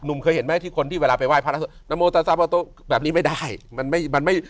คุณุ้มเคยเห็นไหมที่คนที่เขาไปว่ายพระราศัตริย์นโมตัสบัตโตแบบนี้ไม่ได้